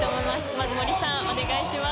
まず森さん、お願いします。